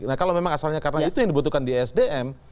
nah kalau memang asalnya karena itu yang dibutuhkan di sdm